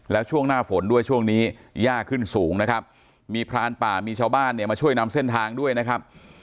แล้วช่วงหน้าฝนด้วยช่วงนี้ยากขึ้นสูงนะครับมีพรานป่ามีชาวบ้านเนี่ยมาช่วยนำเส้นทางด้วยนะครับ